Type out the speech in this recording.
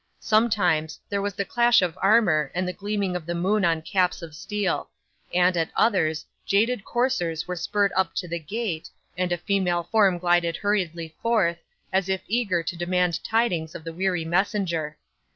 Sometimes, there was the clash of armour, and the gleaming of the moon on caps of steel; and, at others, jaded coursers were spurred up to the gate, and a female form glided hurriedly forth, as if eager to demand tidings of the weary messenger.